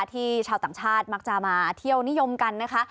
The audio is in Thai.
ชาวต่างชาติมักจะมาเที่ยวนิยมกันนะคะ